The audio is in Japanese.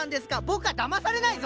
僕はだまされないぞ！